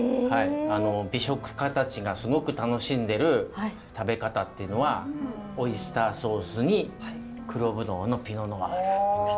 美食家たちがすごく楽しんでる食べ方ってのはオイスターソースに黒ぶどうのピノ・ノワール。